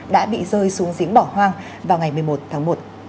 đã bị rơi xuống giếng bỏ hoang vào ngày một mươi một tháng một